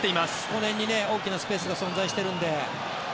この辺に大きなスペースが存在しているので。